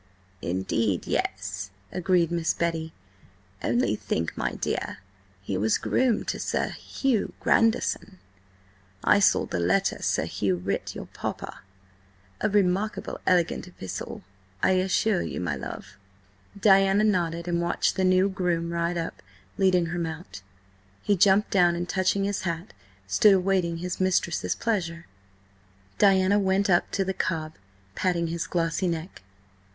"Indeed, yes," agreed Miss Betty. "Only think, my dear, he was groom to Sir Hugh Grandison–I saw the letter Sir Hugh writ your Papa–a remarkable elegant epistle, I assure you, my love." Diana nodded and watched the new groom ride up, leading her mount. He jumped down, and, touching his hat, stood awaiting his mistress's pleasure. Diana went up to the cob, patting his glossy neck.